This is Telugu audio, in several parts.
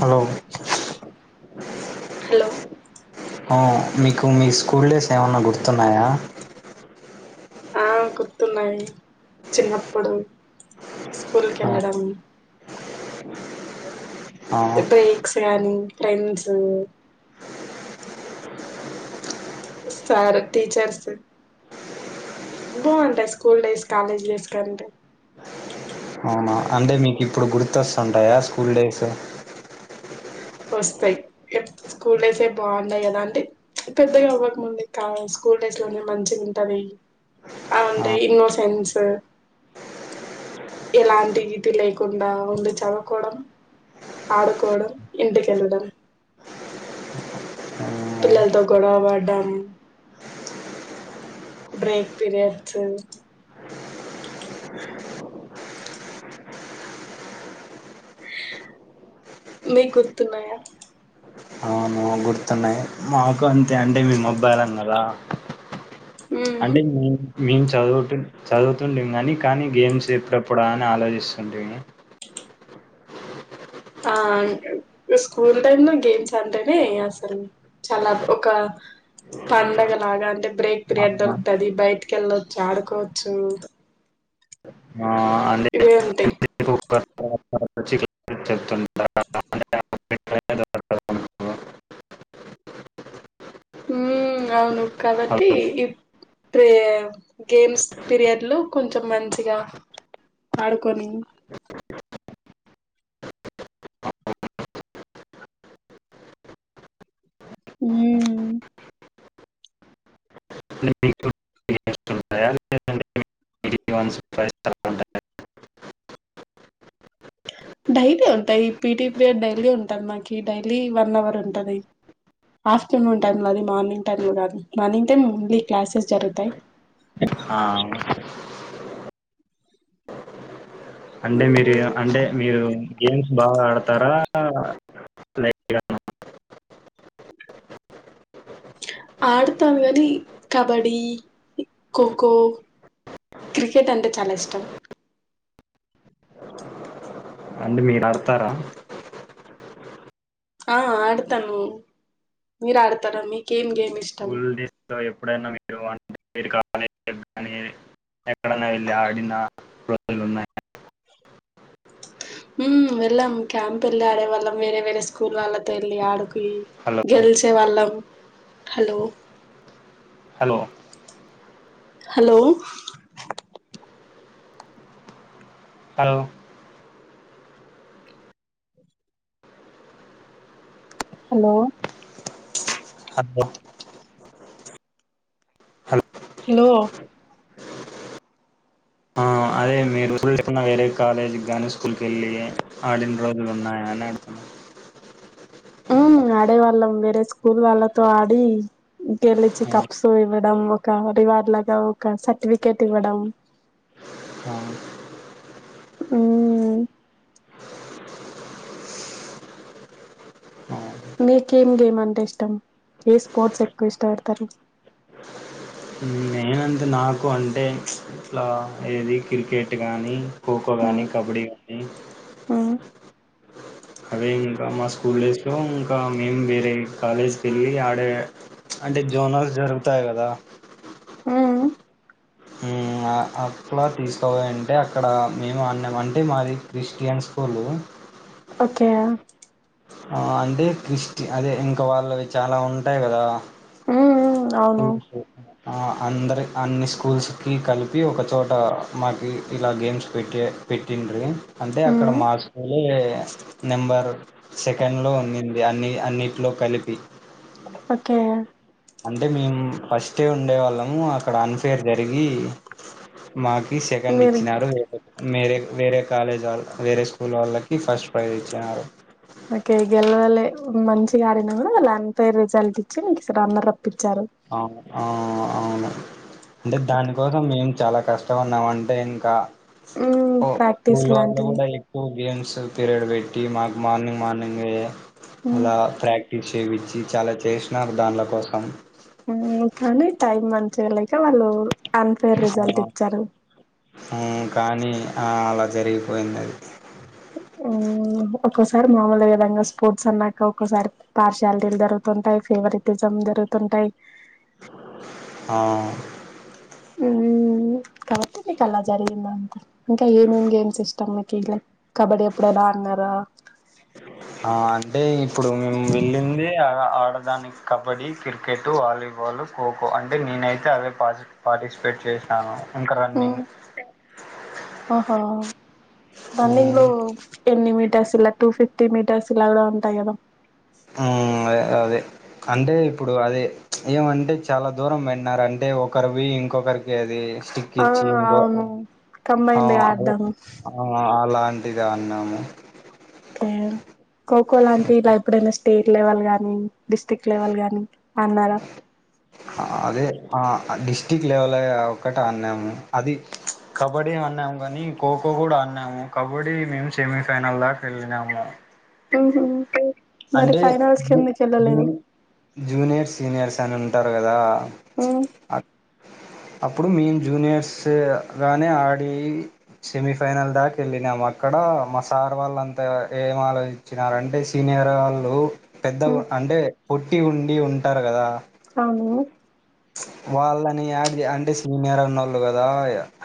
హలో హలో ఆహ్ మీకు మీ స్కూల్ డేస్ ఏమన్నా గుర్తు న్నాయ ఆ గుర్తున్నాయి చిన్నప్పుడు స్కూల్ కి ఆ వెళ్ళడం ఆ [inaudible] గాని ఫ్రెండ్స్ సార్ టీచర్స్, బావుంటది స్కూల్ డేస్, కాలేజ్ డేస్ కంటే అంటే మీకు ఇప్పుడు గుర్తు గుర్తొస్తుంటాయా స్కూల్ డేస్ వస్తాయి, స్కూల్ డేసే బాగుండి కదా అంటే పెద్దగా అవ్వకముందు స్కూల్ డేస్ లోనే మంచిగా ఉంటాది ఆ అంటే ఇన్నో సెన్స్ ఎలాంటి [inaudible] లేకుండా, ఉండి చదువుకోవడం, ఆడుకోవడం, ఇంటికెళ్ళడం. పిల్లలతో గొడవపడడం. బ్రేక్ పీరియడ్స్ మీకు గుర్తున్నాయా? తనే మాకు అంతే అంటే మీ మొబైల్ అన్నారా? మ్మ్ అంటే [inaudible] చదువుతుంది గానీ కానీ గేమ్స్ ఎప్పుడెప్పుడా అని ఆలోచిస్తుండేవి ఉ ఆ స్కూల్ టైమ్ లో గేమ్స్ అంటేనే అసలు చాలా ఒక పండగ లాగా అంటే బ్రేక్ పీరియడ్ దొరుకుతది బయటకి వెళ్ళొచ్చు ఆడుకోవచ్చు. ఆ అంటే ఇవే ఉంటాయి. చెప్తుంటా మ్మ్ అవును కాబట్టి ఈ ప్రే గేమ్స్ పీరియడ్ లో కొంచెం మంచిగా ఆడుకొని హ్మ్ [inaudible] డైలీ ఉంటాయి పీటీ పీరియడ్ డైలీ ఉంటాది నాకి డైలీ వన్ అవర్ ఉంటాది. ఆఫ్టర్నూన్ టైం లో అది. మార్నింగ్ టైం లో కాదు. మార్నింగ్ టైం ఓన్లీ క్లాసెస్ జరుగుతాయి ఆ, అంటే మీరే మ్మ్ అంటే మీరు గేమ్స్ బాగా ఆడతారా. [unintelligible] ఆడతాము కానీ, కబడి, ఖోఖో, క్రికెట్, అంటే చాలా ఇష్టం అంటే మీరు ఆడతారా? ఆ ఆడతాను మీరు ఆడుతారా మీకేం గేమ్ [unintelligible] [unintelligible] ఎప్పుడైనా మీరు [unintelligible] అనీ ఎక్కడ వెళ్లి అడిన లు ఉన్నాయా? ఉ వెళ్ళాం క్యాంప్ వెళ్ళి ఆడేవాళ్ళం వేరే వేరే స్కూల్ వాళ్ళతో వెళ్ళి ఆడుకో హలో గెలిచే వాళ్ళం హలో హలో హలో అ హలో హలొ హ హలో అదే మీరు న్నా వేరే కాలేజీకి కానీ స్కూల్కి వెళ్ళి ఆడిన రోజులు ఉన్నాయా అని అడుతున్నాను ఆ ఆడేవాళ్ళం వేరే స్కూల్ వాళ్ళతో ఆడి గెలిచ ఆ, కప్సో ఇవ వ ఒక రివార్డు లాగా ఒక సర్టిఫికేట్ ఇవ్వడం ఆ, అ ఆ. మీకేం గేమ్ అంటే ఇష్టం ఏ స్పోర్ట్స్ ఎక్కువ ఇష్టపడతారు ననంత నాకు అంటే ఇట్లా ఏది క్రికెట్ కానీ ఖోఖో కానీ మ్మ్ కబడ్డీ కానీ మ్మ్ అదే ఇంకా మా స్కూల్ డేస్లో ఇంకా మేము వేరే కాలేజ్కి వెళ్ళి ఆడే అంటే జోనల్ జరుగుతాయి కదా హ ఉమ్ అట్లా తీసుకపోయింటే అక్కడ మేము ఆన్యం అంటే మాది క్రిస్టియన్ స్కూలు ఓకే ఆ అంటే క్రిస్టి అదే ఇంకా వాళ్లవి చాలా ఉంటాయి కదా మ్మ్ అవును రుల్సు ఆ అందరి అన్ని స్కూల్స్ కి కలిపి ఒకచోట మాకి ఇలా గేమ్స్ పెట్టి పెట్టిండ్రి అంటే అక్కడ మ్మ్ మా స్కూలే నెంబర్ సెకండ్ లో ఉన్నింది అన్ని అన్నిట్లో కలిపి ఓకే అంటే మేము ఫస్ట్ ఉండే వాళ్ళము అక్కడ అన్ఫేర్ జరిగి మా కి సెకండ్ మీరు ఇచ్చినారు [inaudible] మీరే వేరే కాలేజ్ వాళ్ళు వేరే స్కూల్ వాళ్ళకి ఫస్ట్ ప్రైజ్ ఇచ్చినారు ఓకే గెలవలే మంచిగా ఆడిన కూడా వాళ్ అన్ ఫైర్ రిజల్ట్ ఇచ్చి నికు రన్నర్ అప్ ఇచ్చారు ఆ ఆ అవును అంటే దానికోసం ఏం చాలా కష్టం పడినం అంటే ఇంకా మ్మ్ కు ప్రాక్టీస్ కూలొళ్ళు లాంటివి కూడా ఈ టూ గేమ్స్ మ్స్ పీరియడ్ పెట్టి మాకు మార్నింగ్ మార్నింగే మ్మ్ అలా ప్రాక్ క్టీస్ చేపిచ్చి చాలా చేసినారు దాన్ల కోసం ఉమ్ కానీ టైం మంచిగా లేక వాళ్ళు అన్ఫైర్ రిజల్ట్ ఆ ఇచ్చారు ఉమ్ కానీ ఆ అలా జరిగిపోయింది అది ఉమ్ ఒ ఒక్కోసారి మామూలే కదా ఇంక స్పోర్ట్స్ అన్నాక ఒక్కోసారి పర్షియారిటీలు జరుగుతుంటాయి ఫేవరెట్ ఇజం జరుగుతుంటాయి ఆ ఉమ్ ఇంక అవుతది ఇక అలా జరిగిందంతే ఇంకా ఏమేం గేమ్స్ ఇస్ ష్టం మీకి లైక్ కబడ్డీ ఎప్పుడైన ఆడినారా ఆ, అంటే ప్రదానికి కబడ్డీ క్రికెట్ వాలీబాలు ఖోఖో అంటే నేనైతే అదే పార్టీ-పార్టిసిపేట్ చేసాను ఉమ్ ఒహో రన్నింగ్ ఎన్ని మీటర్స్ ఇలా టు ఫిఫ్ టి మీటర్స్ ఇలా కూడా ఉంటాయి కదా ఉమ్ అదే అదే అంటే ఇప్పుడు అదే ఏమంటే చాలా దూరం పెట్టినారు అంటే ఒకరి పోయి ఇంకొకరికి అది స్టిక్ ఆ ఇచ్చి గో అవును ఆ కంబైన్డ్ గా అదే ఆడదాం ఆ అలా డిగా అన్నాము అయ్యో ఖోఖో లాంటివి ఇలా ఎప్పుడైనా స్ స్టేట్ లెవల్ గాని డిస్టిక్ లెవెల్ గాని అన్నారా అదే ఆ డిస్టిక్ లెవెల్ ఒకటి అన్నాము అది కబడ్డీ అన్నాము కాని ఖోఖో కూడా అన్నాము కబడ్డీ మేము సెమీఫైనల్ దాక ఎళ్ళినాము ఉంహు మరి ఫైనల్స్ కి జూ ఎందుకు ఎళ్ళలేదు జూని జూనియర్ సీనియర్స్ అని అంటారు కదా మ్మ్ అ అప్పుడు మేము జూనియర్స్ గానే ఆడి సెమీఫైనల్ దాకా వెళ్ళినాము అక్కడ మా సార్ వాళ్ళంతా ఏం ఆలోచించినారు అంటే సీనియర్ వాళ్ళు పెద్ద మ్మ్ అంటే పుట్టి ఉండి ఉంటారు కదా అవును వాళ్ళని యాడ్ అంటే సీనియర్ అన్న ఒళ్ళు కదా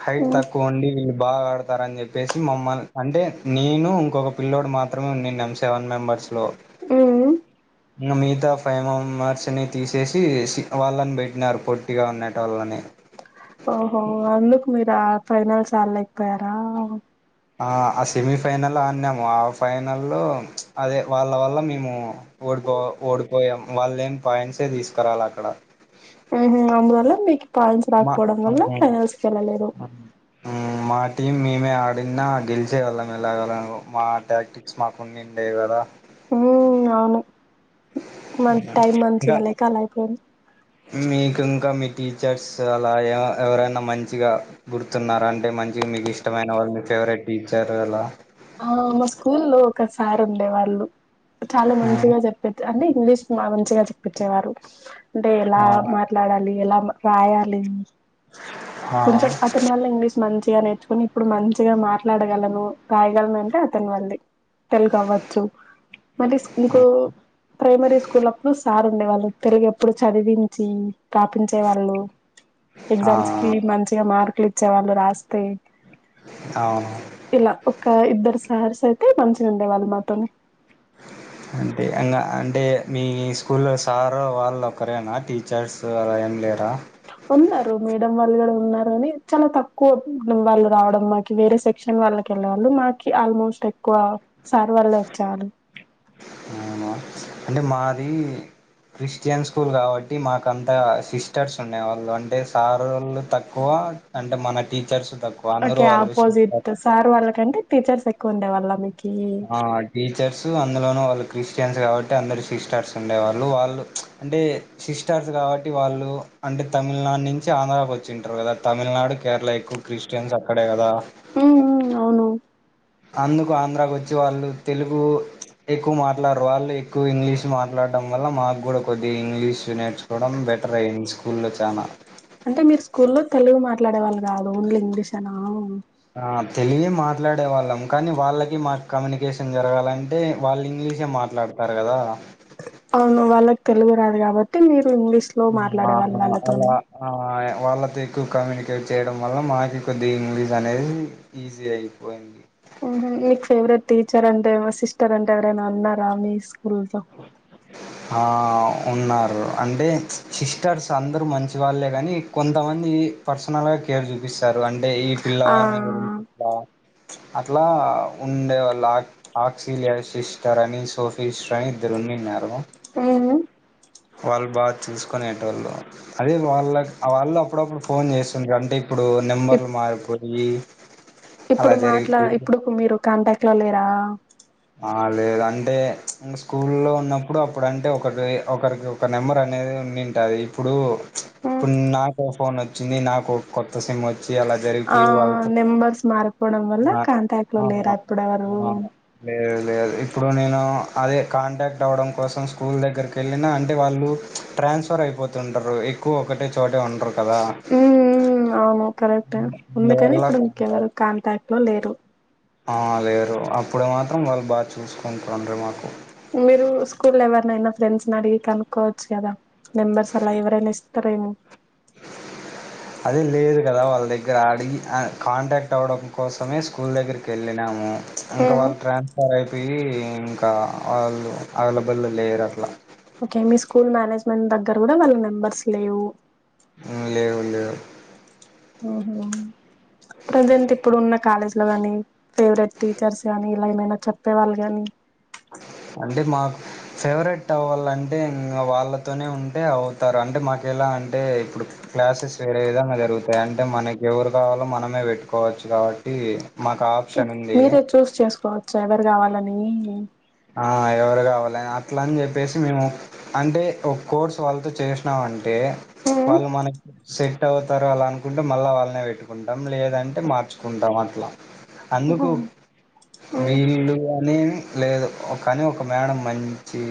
హైట్ మ్మ్ తక్కువ ఉండి బాగా ఆడతారని చెప్పేసి మమ్మల్ని అంటే నేను ఇంకొక పిల్లోడు మాత్రమే ఉంన్నాం సెవెన్ మెంబర్స్ లో మ్మ్ ఇంక మిగతా ఫైవ్ మెంబర్స్ ని తీసేసి వాళ్ళని బెట్టి క్నార్ పొట్టిగా ఉండేటోళ్ళుని ఓహో అక్ మీరా ఫైనాల్ ఆడలేకపోయారా ఆ ఆ సెమీఫైనల్ ఆన్నాము ఆ ఫైనల్ అదే వాళ్ళ వల్ల మేము ఓడిపో ఓడిపోయాము వాళ్ళ ఏం పాయింట్సే తీసుకురాలే అక్కడ ఉమ్ అలా వాళ్ల పాయింట్స్ మా రాకపోవడం వాళ్ళ అవును. ఫైనల్స్ కీ వెళ్ళలేదు మ్మ్, మా టీం మేమే ఆడినా గెలిచేవాళ్ళం కదా మా టాక్టిక్స్ మాకు ఉంండే కదా అ అవును మన టైమ్ ఇంకా మంచిగాలేక అలా అయిపో మీకు ఇంకా మీ టీచర్స్ అలా ఎవరైనా మంచిగా గుర్తున్నారా అంటే మంచిగా మీకు ఇష్టమైన వాళ్ళు మీ ఫేవరెట్ టీచర్ అలా ఆ మా స్కూల్ లో ఒక సార్ ఉండే వాళ్ళు చాలా మ్మ్. మంచిగా చెప్పేది అండి ఇంగ్లీష్ మంచిగా చెప్పించేవారు అంటే ఎలా ఆ మాట్లాడలి ఎలా రయాలి ఆ కొంచెం అతని వల్ల ఇంగ్లీష్ మంచిగా నేర్చుకుొని ఇప్పుడు మంచిగా మాట్లాడగలను రాయగలను అంటే అతనీ వాళ్ళే తెలుగ అవచ్చు మరి ఇంకో ప్రైమరీ స్కూల్ అప్పుడు సార్ ఉండే వాళ్ళు తెలుగు ఎప్పుడు చదివించి రాపించేవాళ్ళు ఆ ఎగ్జామ్స్కి మంచిగా మార్కులు ఇచ్చేవాళ్ళు రాస్తే అవును ఇలా ఒక ఇద్దరు సహర్స అయితే మంచిగా ఉండేవాళ్ళు మాతోని అంటే ఇంకా అంటే మీ స్కూల్ సార్ వాళ్ళు ఒకరేనా టీచర్స్ ఏం లేరా ఉన్నారు మేడం వాళ్ళు కూడా ఉన్నారు అని చాలా తక్కువ వాళ్ళు రావడం మాకి వేరే సెక్షన్ వాళ్ళకి వెళ్ళే వాళ్ళు మాకి ఆల్మోస్ట్ ఎక్కువ సార్ వాళ్ళ వచ్చే వాళ్ళు అవునా అంటే మాది క్రిస్టియన్ స్కూల్ కాబట్టి మాకంత సిస్టర్స్ ఉన్నాే వాళ్ళు అంటే సార్ వాళ్ళు తక్కువ అంటే మన టీచర్స్ తక్కువ అందరూ ఓకే వాళ్ళు ఆపోజిట్ సిస్టర్స్. సార్ వాళ్ళకంటే టీచర్స్ ఎ ఉండే వల్ల మీకు ఆ టీచర్స్ అందులోన వాళ్ళు క్రిస్టియన్స్ కాబట్టి అందరు సిస్టర్స్ ఉండేవాళ్ళు వాళ్ళు అంటే సిస్టర్స్ కాబట్టి వాళ్ళు అంటే తమిళనాడు నుంచి ఆంధ్రా వచ్చింటారు కదా తమిళనాడు కేరళ ఎక్కువ క్రిస్టియన్స్ అక్కడే కదా హ అవును అందుకు ఆంధ్రాకు వచ్చి వాళ్ళు తెలుగు ఎక్కువ మాట్లాడరు వాళ్ళు ఎక్కువ ఇంగ్లీష్ మాట్లాడడం వల్ల మాకు కూడా కొద్ది ఇంగ్లీష్ నేర్చుకోవడం బెటర్ అయ్యంది స్కూల్లో చాలా అంటే మీరు స్కూల్లో తెలుగు మాట్లాడేవాళ్ళు కాదు ఓన్లీ ఇంగ్లీష్ అనా ఆ తెలుగే మాట్లాడే వాళ్ళం కానీ వాళ్ళకి మాకు కమ్యూనికేషన్ జరగాలంటే వాళ్ళు ఇంగ్లీషే మాట్లాడతారు కదా అవును వాళ్ళకి తెలుగు రాదు కాబట్టి మీరు ఇంగ్లీష్ లో ఆ మాట్లాడే వాళ్ళు వాళ్ళతోనే అలా ఆ వాళ్ళతో ఎక్కువ కమ్యూనికేట్ చేయడం వల్ల మాకు కొద్ది ఇంగ్లీష్ అనేది ఈజీ అయిపోయింది మీకు ఫేవరెట్ టీచర్ అంటే మా సిస్టర్ అంటే ఎవరైనా ఉన్నారా మీ తూల్జ ఆ ఉన్నారు అంటే సిస్టర్స్ అందరు మంచి వాళ్ళే కాని కొంతమంది పర్సనల్ గా కేర్ చూపిస్తారు అంటే అంటే ఈ ఆ పిలగాని అట్లా ఉండే వాళ్ళ ఆక్స సిస్టర్ అని సోఫీ అని ఇదరున్న ఆ వాళ్ళు బాగా చూసుకునేటి వాళ్ళు అదే వాళ్ళ వాళ్ళు అప్పుడప్పుడు ఫోన్ చేస్తుంది అంటే ఇప్పుడు ఇప్ నెంబర్లు మారిపో అ ఇప్పుడు మాట్లా ఇప్పుడు మీరు కాంటాక్ట్ లో లేరా ఆ లేదు అంటే ఇంకా స్కూల్లో ఉన్నప్పుడు అప్పుడంటే ఒకటి ఒకరికి ఒక నెంబర్ అనేది ఉన్నింటాది ఇప్పుడు మ్మ్ ఇపుడు నాక ఫోన్ వచ్చింది నాకు కొత్త సిమ్ వచ్చి అలా ఆ జరిగిపోయి వాళ్ళతో నెంబర్స్ మారిపోవడం వల్ల ఆ! కాంటాక్ట్ లో ఆ! లేరా ఇప్పుడెవరు ఆ! లేదు లేదు ఇప్పుడు నేను అదే కాంటాక్ట్ అవ్వడం కోసం స్కూల్ దగ్గరికి వెళ్ళిన అంటే వాళ్ళు ట్రాన్స్ఫర్ అయిపోతుంటారు ఎక్కువ ఒకటే చోటే ఉండరు కదా కరెక్ట్ ఉందికని అందువల్ల ఇప్పుడు ఇంకెవరు కాంటాక్ట్ కాంటాక్ట్ లో లేరు ఆ లేరు అప్పుడు మాత్రం వాళ్ళు బాగా చూసుకుంటుండ మాకు మీరు స్కూల్ లో ఎవరినైనా ఫ్రెండ్స్ని అడిగి కనుక్కవచ్చు కదా నెంబర్స్ అలా ఇవరేన్ ఇస్త త్రరు ఏమో అదే లేదు కదా వాళ్ళ దగ్గర దగ్గర అడిగి కాంటాక్ట్ అవ్వడం కోసమే స్కూల్ దగ్గరికి వెళ్ళినాము ఇంకా వాళ్ళు ట్రాన్స్ఫర్ అయి చెప్పి ఇంకా వాళ్ళు అవైలబ్లె లేరు అట్లా ఓకే మీ స్కూల్ మేనేజ్మెంట్ దగ్గర కూడా వాళ్ళ నెంబర్స్ లేవు హ్మ్ లేవు లేవు ఆహా ప్రెజెంట్ ఇప్పుడు ఉన్న కాలేజ్ లో గాని ఫేవరెట్ టీచర్స్ గాని ఇలా ఏమైనా చెప్పే వాళ్ళు గాని అంటే మాకు ఫేవరెట్ అవ్వాలంటే ఇంకా వాళ్ళతోనే ఉంటే అవుతారు అంటే మాకు ఎలా అంటే ఇప్పుడు క్లాసెస్ వేరే విధంగా జరుగుతాయి అంటే మనకు ఎవరు కావాలో మనమే పెట్టుకోవచ్చు కాబట్టి మాకు ఓకే ఆప్షన్ ఉంది మీరే చూస్ చేసుకోవచ్చా ఎవరు కావాలని హ్మ్ ఆ ఎవరు కావాలి అట్ల అని చెప్పేసి మేము అంటే ఒక కోర్స్ వాళ్ళతో చేసినాం అండి అంటే వాళ్ళ మనకి సెట్ అవుతారు అలా అనుకుంటే మళ్ల వాళ్ళనే పెట్టుకుంటాం లేదంటే మార్చుకుంటాం అట్లా అందుకు వీళ్ళు అని లేదు కానీ ఒక మేడం మంచి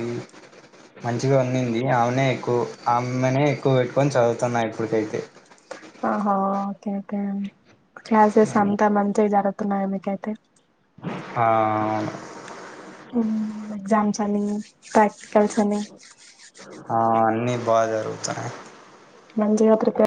మంచిగా ఉండీది ఆమెనే ఎక్కువ ఆమెనే ఎక్కువ పెట్టుకొని చదువుతున్నా ఇప్పటికైతే ఆహా ఓకే ఓకే క్లాసెస్ అంతా మంచిగా జరు త్తన్నాయా మికైతే అ అవును హ్మ్ ఎగ్జామ్స్ అని ప్రాక్టికల్స్ అని ఆ అన్నీ బజారుతున్నాయి మంచిగా ప్రిపేర్